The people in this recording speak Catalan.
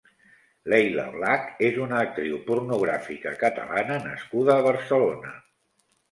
Leyla Black és una actriu pornografica Catalana nascuda a Barcelona.